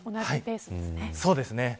そうですね。